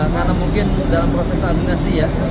karena mungkin dalam proses administrasi ya